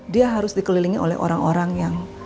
dia harus dikelilingi oleh orang orang yang